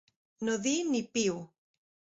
No dir ni piu.